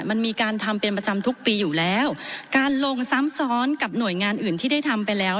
มันมีการทำเป็นประจำทุกปีอยู่แล้วการลงซ้ำซ้อนกับหน่วยงานอื่นที่ได้ทำไปแล้ว